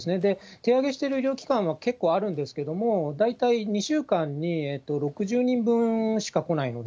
手挙げしている医療機関は結構あるんですけれども、大体２週間に６０人分しか来ないので。